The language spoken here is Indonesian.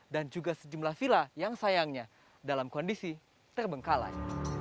dan juga sejumlah vila yang sayangnya dalam kondisi terbengkalai